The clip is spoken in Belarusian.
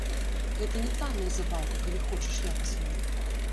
Гэта не танная забаўка, калі хочаш якасную.